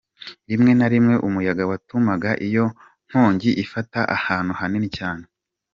Rimwe na rimwe umuyaga watumaga iyo nkongi ifata ahantu hanini cyane.